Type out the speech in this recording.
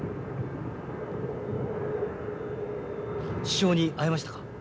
首相に会えましたか？